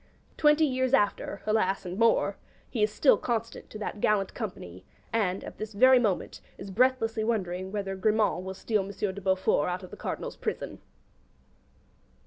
'Twenty years after' (alas and more) he is still constant to that gallant company; and, at this very moment, is breathlessly wondering whether Grimand will steal M. de Beaufort out of the Cardinal's prison.